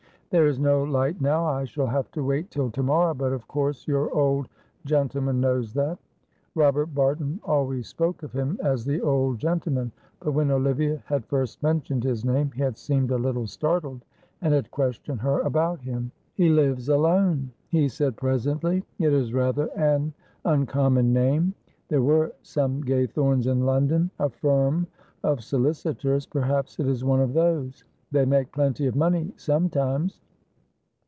"There is no light now. I shall have to wait till to morrow, but of course your old gentleman knows that." Robert Barton always spoke of him as the old gentleman, but when Olivia had first mentioned his name, he had seemed a little startled, and had questioned her about him. "He lives alone," he said presently; "it is rather an uncommon name. There were some Gaythornes in London a firm of solicitors perhaps it is one of those. They make plenty of money sometimes."